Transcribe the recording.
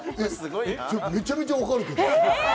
めちゃめちゃ分かるけど。